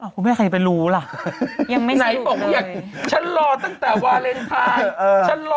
พวกเบี้ยใครไปรู้ล่ะยังไม่จบเลยไหนบอกว่าอยากฉันรอตั้งแต่วาเร็นทาน